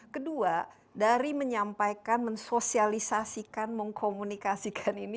kedua dari menyampaikan mensosialisasikan mengkomunikasikan ini